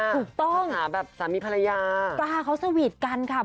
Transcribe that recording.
ถูกต้องหาแบบสามีภรรยาป้าเขาสวีทกันค่ะ